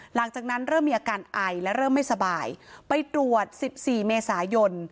หลังจากนั้นเริ่มมีอาการไอและเริ่มไม่สบายไปตรวจ๑๔เมษายน